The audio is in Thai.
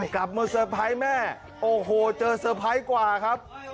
กลับมาเตอร์ไพรส์แม่โอ้โหเจอเซอร์ไพรส์กว่าครับ